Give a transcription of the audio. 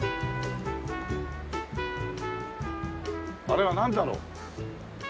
あれはなんだろう？